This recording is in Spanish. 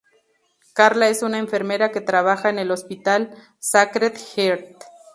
Carla es una enfermera que trabaja en el hospital "Sacred Heart".